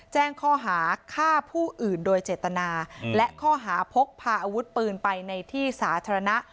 แจ้งข้อหาฆ่าผู้อื่นโดยเจตนาและข้อหาพกพาอาวุธปืนไปในที่สาธารณะ